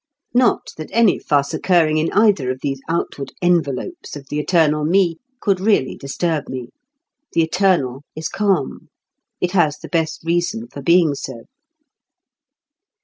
Not that any fuss occurring in either of these outward envelopes of the eternal me could really disturb me. The eternal is calm; it has the best reason for being so.